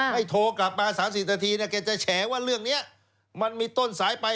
โทรกลับมา๓๐นาทีแกจะแฉว่าเรื่องนี้มันมีต้นสายไป